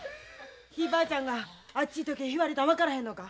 ひいばあちゃんがあっち行っとけ言われたん分からへんのか？